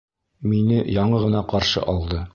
Мине яңы ғына ҡаршы алды.